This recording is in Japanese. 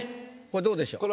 これどうでしょう？